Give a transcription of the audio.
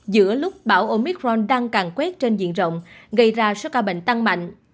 giữa lúc bão omicron đang càng quét trên diện rộng gây ra số ca bệnh tăng mạnh